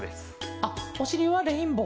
あっおしりはレインボー。